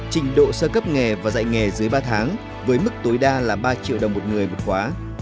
trình độ sơ cấp nghề và dạy nghề dưới ba tháng với mức tối đa là ba triệu đồng một người một khóa